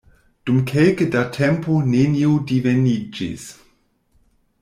Dum kelke da tempo nenio diveniĝis.